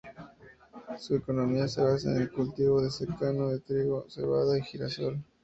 Su economía se basa en el cultivo de secano de trigo, cebada y girasol.